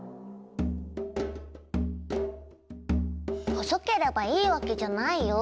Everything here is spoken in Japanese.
細ければいいわけじゃないよ。